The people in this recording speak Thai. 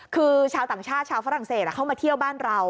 คือชาวต่างชาติชาวฝรั่งเศสเข้ามาเที่ยวบ้านเรา